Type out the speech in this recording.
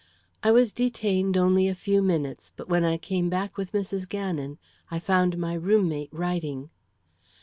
I was detained only a few minutes, but when I came back with Mrs. Gannon, I found my room mate writing.